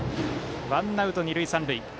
ワンアウト二塁三塁。